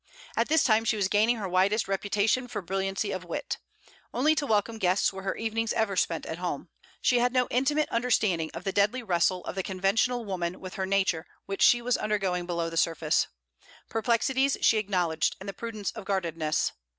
At this time she was gaining her widest reputation for brilliancy of wit. Only to welcome guests were her evenings ever spent at home. She had no intimate understanding of the deadly wrestle of the conventional woman with her nature which she was undergoing below the surface. Perplexities she acknowledged, and the prudence of guardedness.